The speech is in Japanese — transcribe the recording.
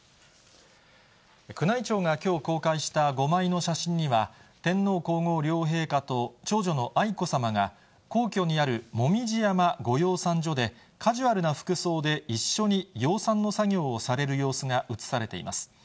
宮内庁がきょう公開した５枚の写真には、天皇皇后両陛下と、長女の愛子さまが、皇居にある紅葉山御養蚕所で、カジュアルな服装で一緒に養蚕の作業をされる様子が写されています。